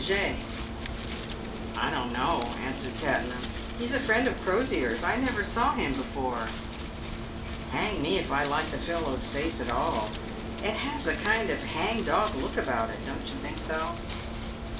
PAVED WITH GOLD. 157 " I don't know," answered Tattenham ; u he's a friend of Crosier's. I never saw him before." u Hang me if I like the fellow's face at all. It has a kind of hang dog look about it. Don't you think so